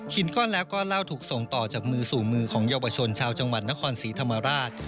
ก้อนแล้วก็เหล้าถูกส่งต่อจากมือสู่มือของเยาวชนชาวจังหวัดนครศรีธรรมราช